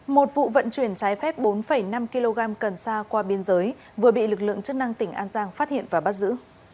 một vụ vận chuyển trái phép bốn năm kg cần xa qua biên giới vừa bị lực lượng chức năng tỉnh an giang phát hiện và bắt giữ